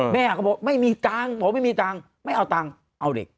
แม่ก็บอกไม่มีตังค์ผมไม่มีตังค์ไม่เอาตังค์เอาเด็ก